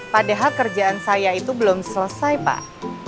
padahal kerjaan saya itu belum selesai pak